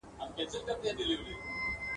بوډۍ شېبې درته دروړم جانانه هېر مي نه کې !.